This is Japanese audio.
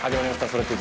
「それって！？